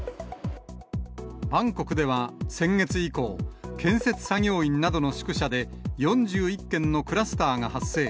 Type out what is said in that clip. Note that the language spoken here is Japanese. バンコクでは先月以降、建設作業員などの宿舎で、４１件のクラスターが発生。